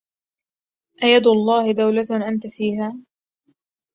أيد الله دولة أنت فيها